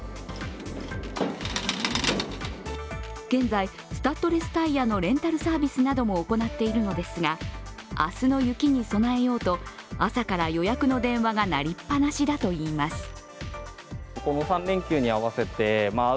現在、スタッドレスタイヤのレンタルサービスなども行っているのですが明日の雪に備えようと朝から予約の電話が鳴りっぱなしだといいます。